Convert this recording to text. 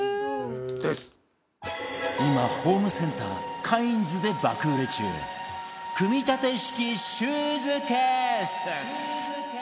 今ホームセンター ＣＡＩＮＺ で爆売れ中組立式シューズケース